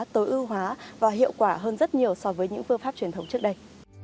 tối ưu hóa và hiệu quả hơn rất nhiều so với những phương pháp truyền thống trước đây